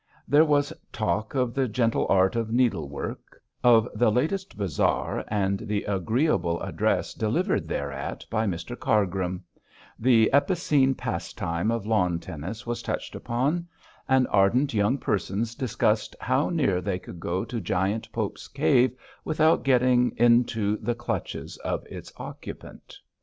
There was talk of the gentle art of needlework, of the latest bazaar and the agreeable address delivered thereat by Mr Cargrim; the epicene pastime of lawn tennis was touched upon; and ardent young persons discussed how near they could go to Giant Pope's cave without getting into the clutches of its occupant.